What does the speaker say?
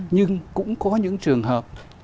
nhưng cũng có những trường hợp